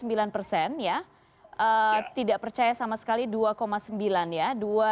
tidak percaya sama sekali dua sembilan ya